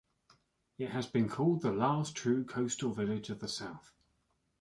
It has been called the last true coastal village of the South.